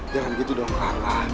jangan gitu dong karla